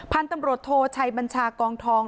พันธุ์ตำรวจโทชัยบัญชากองทอง